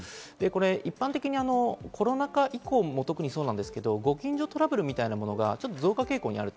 一般的にコロナ禍以降も特にそうなんですが、ご近所トラブルみたいなものは増加傾向にあると。